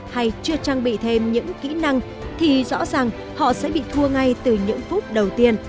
hay chưa trang bị thêm những kỹ năng thì rõ ràng họ sẽ bị thua ngay từ những phút đầu tiên